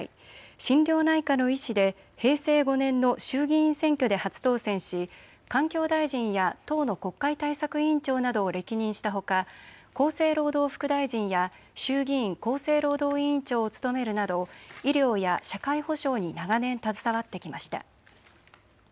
心療内科の医師で平成５年の衆議院選挙で初当選し環境大臣や党の国会対策委員長などを歴任したほか厚生労働副大臣や衆議院厚生労働委員長を務めるなど医療や社会保障に長年携わってきました。